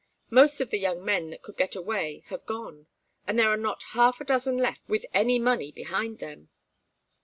Most of the young men that could get away have gone, and there are not half a dozen left with any money behind them.